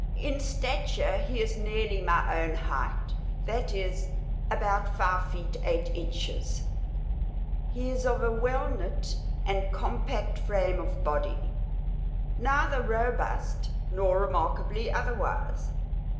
In stature he is nearly my own height; that is, about five feet eight inches. He is of a well knit and compact frame of body, neither robust nor remarkably otherwise.